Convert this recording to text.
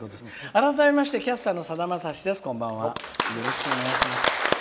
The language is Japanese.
改めましてキャスターのさだまさしです。